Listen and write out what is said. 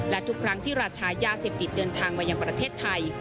และทุกครั้งที่ราชายาเสพติดเดินทางมายังประเทศไทย